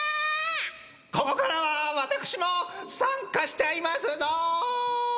・ここからは私も参加しちゃいますぞ！